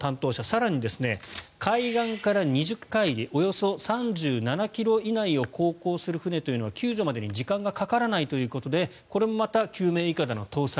更に海岸から２０カイリおよそ３７ｋｍ以内を航行する船というのは救助までに時間がかからないということでこれもまた救命いかだの搭載